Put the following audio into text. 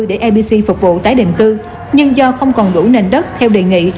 để lbc phục vụ tái định cư nhưng do không còn đủ nền đất theo đề nghị